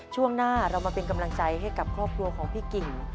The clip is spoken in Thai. ช่วงหน้าเรามาเป็นกำลังใจให้กับครอบครัวของพี่กิ่ง